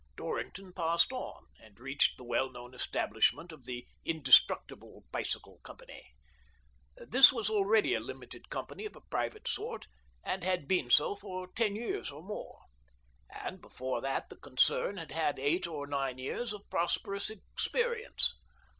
Dorrington passed on and reached the well known establishment of the "Indestructible Bicycle Company." This was already a limited company of a private sort, and had been so for ten years or more. And before that the concern had had eight or nine years of prosperous ex perience.